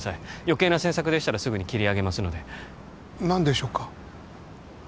余計な詮索でしたらすぐに切り上げますので何でしょうか？